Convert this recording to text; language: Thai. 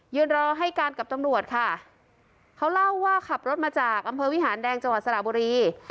รอให้การกับตำรวจค่ะเขาเล่าว่าขับรถมาจากอำเภอวิหารแดงจังหวัดสระบุรี